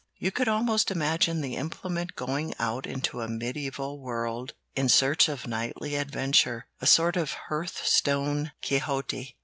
You could almost imagine the implement going out into a mediæval world in search of knightly adventure a sort of hearth stone Quixote.